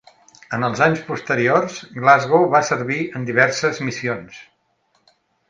En els anys posteriors, "Glasgow" va servir en diverses missions.